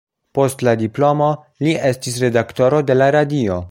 Post la diplomo li estis redaktoro de la Radio.